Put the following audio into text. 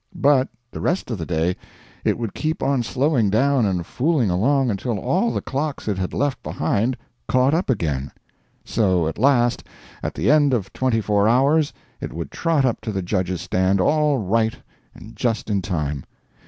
But the rest of the day it would keep on slowing down and fooling along until all the clocks it had left behind caught up again. So at last, at the end of twenty four hours, it would trot up to the judges' stand all right and just in time.